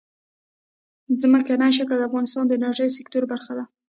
ځمکنی شکل د افغانستان د انرژۍ سکتور برخه ده.